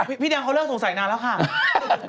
พี่แดงเขาเริ่มสงสัยนานแล้วค่ะ